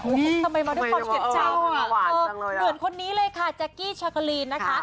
ทำไมมาด้วยความเสียใจเหมือนคนนี้เลยค่ะแจ๊กกี้ชากะลีนนะคะ